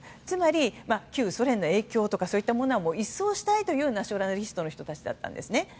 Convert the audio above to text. つまり、旧ソ連の影響とかそういったものは一掃したいというナショナリストの人たちだったんですね。